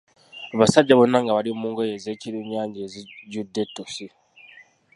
Abasajja bonna nga bali mu ngoye ez'ekirunnyanja ezijjudde ettosi.